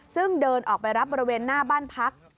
ซึ่งเดินออกไปรับบริเวณหน้าบ้านพัก